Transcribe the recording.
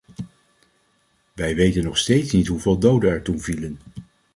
Wij weten nog steeds niet hoeveel doden er toen vielen.